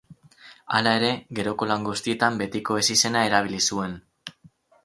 Hala ere, geroko lan guztietan betiko ezizena erabili zuen.